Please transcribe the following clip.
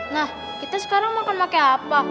nah kita sekarang makan pakai apa